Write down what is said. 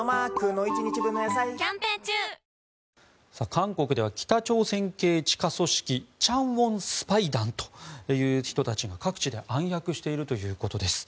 韓国では北朝鮮系地下組織昌原スパイ団という人たちが各地で暗躍しているということです。